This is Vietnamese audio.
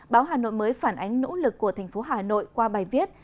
báo hà nội mới phản ánh nỗ lực của thành phố hà nội qua bài viết